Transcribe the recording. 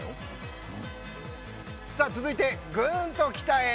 続いてグーンと北へ。